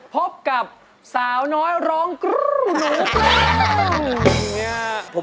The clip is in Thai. พบกับสาวน้อยร้องกลื่้๊วน้อยพร้อม